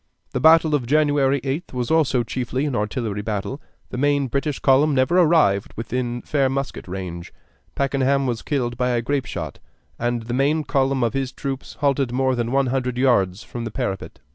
The battle of January 8th was also chiefly an artillery battle: the main British column never arrived within fair musket range; Pakenham was killed by a grape shot, and the main column of his troops halted more than one hundred yards from the parapet.